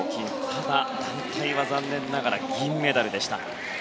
ただ、団体は残念ながら銀メダルでした。